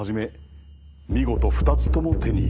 見事２つとも手に入れた。